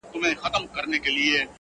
• ښه پر بدوښه هغه دي قاسم یاره..